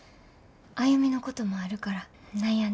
歩のこともあるから悩んでて。